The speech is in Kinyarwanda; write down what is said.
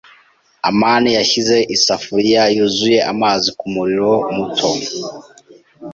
amani yashyize isafuriya yuzuye amazi kumuriro muto.